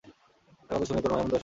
তার কথা শুনিয়াই তাের এমন দশা হইয়াছে।